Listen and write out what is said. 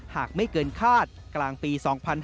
หากไม่เกินคาดกลางปี๒๕๕๙